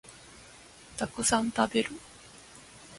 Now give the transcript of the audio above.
たくさん食べる